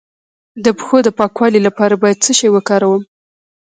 د پښو د پاکوالي لپاره باید څه شی وکاروم؟